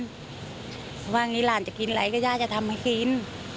คือว่าหลานจะกินอะไรก็ย่าจะทำให้กิน